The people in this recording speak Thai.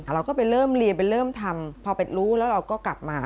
เราก็ไปเริ่มเรียนไปเริ่มทำพอไปรู้แล้วเราก็กลับมา